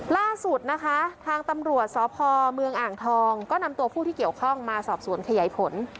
ล่าสุดนะคะทางตำรวจสพเมืองอ่างทองก็นำตัวผู้ที่เกี่ยวข้องมาสอบสวนขยายผล